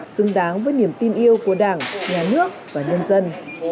xứng đáng với niềm tin yêu của đảng nhà nước và nhân dân